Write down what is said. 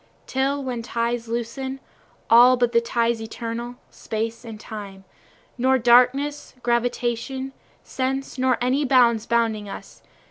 Till when the ties loosen, All but the ties eternal, Time and Space, Nor darkness, gravitation, sense, nor any bounds bounding us.